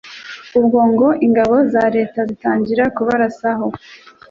ubwo ngo ingabo za leta zitangira kubarasaho